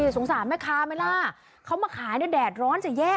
สงสารแม่ค้าไหมล่ะเขามาขายเนี่ยแดดร้อนจะแย่